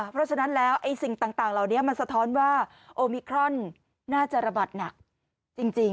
เพราะฉะนั้นแล้วไอ้สิ่งต่างเหล่านี้มันสะท้อนว่าโอมิครอนน่าจะระบาดหนักจริง